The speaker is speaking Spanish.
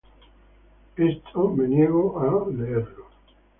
Cook nació en Houston, Texas y creció en Blue Springs, Missouri.